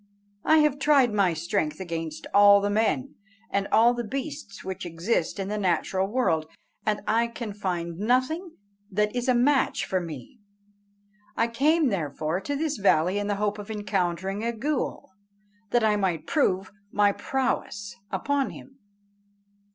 I have tried my strength against all the men and all the beasts which exist in the natural world, and I can find nothing that is a match for me. I came therefore to this valley in the hope of encountering a ghool, that I might prove my prowess upon him."